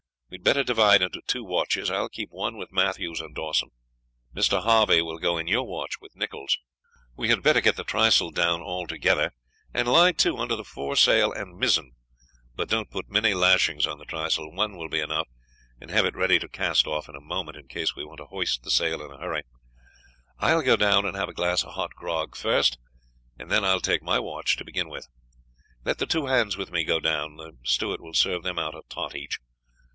We had better divide into two watches; I will keep one with Matthews and Dawson, Mr. Harvey will go in your watch with Nicholls. We had better get the trysail down altogether, and lie to under the foresail and mizzen, but don't put many lashings on the trysail, one will be enough, and have it ready to cast off in a moment, in case we want to hoist the sail in a hurry. I will go down and have a glass of hot grog first, and then I will take my watch to begin with. Let the two hands with me go down; the steward will serve them out a tot each.